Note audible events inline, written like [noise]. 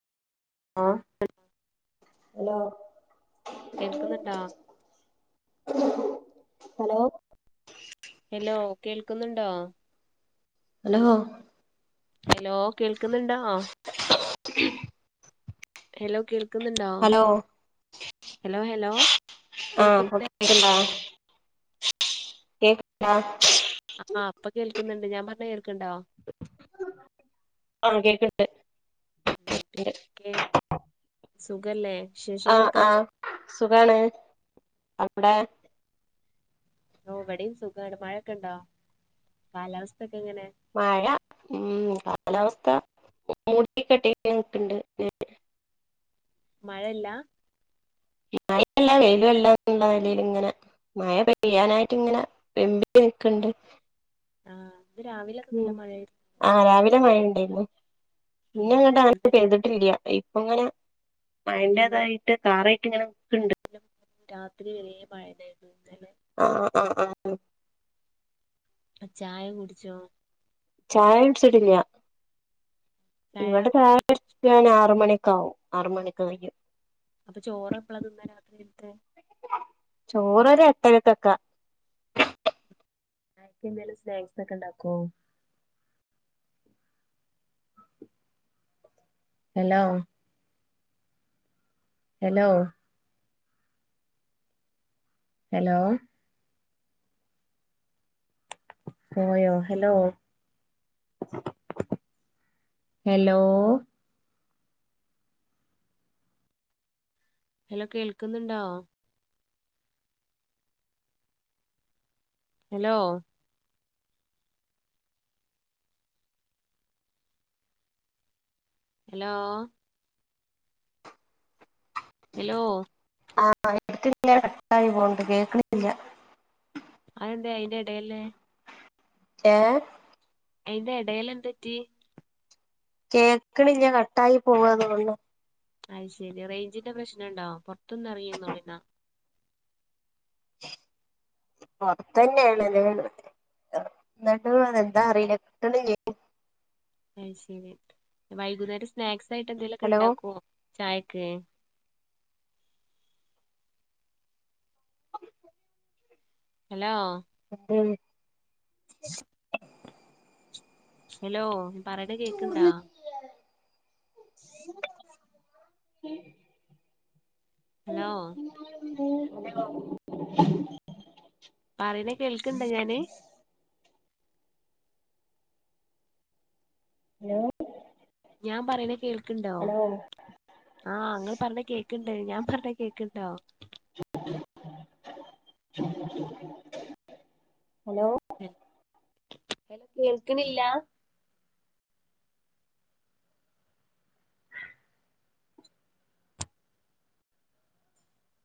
ഓ hello കേൾക്കുന്നുണ്ടാ hello hello കേൾക്കുന്നുണ്ടോ hello hello കേൾക്കുന്നുണ്ടോ ഹലോ കേൾ ക്കുന്നുണ്ടോ ഹലോ ഹലോ ഹലോ ആഹ് കേൾക്ക്ണില്ല കേക്ക്ണ്ടാ [unintelligible] ആ ഇപ്പ കേൾക്കുന്നുണ്ട് ഞാൻ പറഞ്ഞ കേൾക്ക്ണ്ടോ ഇണ്ട് ണ്ട് സുഖല്ലെ ആഹ് ആഹ് സുഖാണ് അവിടെ ഒ ഇവടിം സുഖാണ് മഴൊക്കെണ്ടോ കാലാവസ്ഥക്കെ മഴ ഉം കാലാവസ്ഥ മൂടി കെട്ടിങ്ങനെനിക്ക്ണ്ട് മഴല്ലാ മഴല്ലാ വെയിലുംഅല്ല ന്ന്ള്ള നെലയില്ങ്ങനെ മഴ പെയ്യാനായിട്ട് ഇങ്ങനെ വെമ്പി നിക്ക്ണ്ട് ആഹ് ഇന്ന് രാവിലൊക്കെ നല്ല ഉം. മഴയായിരുന്നല്ലോ ആഹ് രാവിലെ മഴ ഇണ്ടേര്ന്ന്. ഉം പിന്നെ അങ്ങട്ട് അങ്ങന ഇന്ന പെയ്തിട്ടില്ല. ഇപ്പങ്ങനെ മഴന്റേതായിട്ട് കാറ ടിങ്ങനെ നിക്ക് പിന്ന രാത്രി വരെ മഴന്നായിരുന്നു. ആഹ്, ആഹ്, [unintelligible] ചായ കുടിച്ചോ? ചായ കുടിച്ചിട്ടില്ല. ഇവിടെ ചായ കുടിക്കാൻ ആറുമണി ക്കാവും. ആറു മണിയൊക്കെ കയ്യും. അപ്പൊ ചോറ് എപ്പളാ തിന്ന രാത്രിക്കൽത്തെ? ചോറൊരു എട്ടരക്കൊക്കെ. ചായക്ക്‌ എന്തേലും സ്നാക്സ് ഒക്കെ ഇണ്ടാക്കോ? ഹലോ ഹലോ ഹലോ പോയോ, ഹലോ ഹലോ ഹലോ കേൾക്കുന്ന്ണ്ടോ? ഹലോ ഹലോ ഹലോ ആഹ്. എടക്ക്ങ്ങനെ കട്ടായി പോണ്ട് കേക്ക്ണില്ല്യ. അതെന്തേ അയിന്റെ എടേല്? ഏഹ് അയിന്റെ എടേല് എന്തറ്റി? കേക്ക്ണില്ല്യ, കട്ടായി പോവാ തോണ് ണു. അയ്ശെരി റെയ്ഞ്ചിന്റെ പ്രശ്നണ്ടോ. പുറത്തൊന്ന് എറങ്ങിന്നോളിന്നാ. പൊറത്തണ് [unintelligible] ഇന്നിട്ടും ഇതെന്താ അറീല കിട്ട്ണില്യേയ് അയ് ശെരി വൈകുന്നേരം സ്നാക്സ് ആയിട്ട് എന്തേലക്കെ ഹലോ ഇണ്ടാക്കോ? ചായക്ക്. ഹലോ ഉം. ഹലോ പറ്യണത് കേക്ക്‌ണ്ടാ? [unintelligible] Hello hello. പറീണ കേൾക്ക്‌ണ്ട ഞാന്? ഹലോ ഞാൻ പറീണ കേൾക്ക്‌ണ്ടോ? ഹലോ ആഹ് ഇങ്ങൾ പറീണ കേക്ക്ണ്ട്. ഞാൻ പറിണത് കേക്ക്ണ്ടോ? Hello [unintelligible] hello കേൾക്ക്ണില്ലാ?